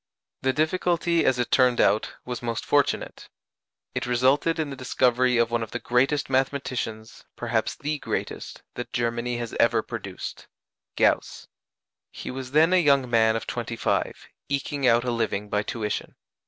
The difficulty as it turned out was most fortunate. It resulted in the discovery of one of the greatest mathematicians, perhaps the greatest, that Germany has ever produced Gauss. He was then a young man of twenty five, eking out a living by tuition.